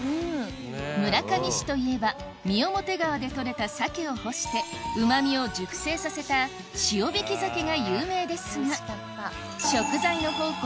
村上市といえば三面川で取れた鮭を干してうまみを熟成させたが有名ですが食材の宝庫